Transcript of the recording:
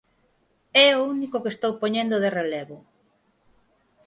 É o único que estou poñendo de relevo.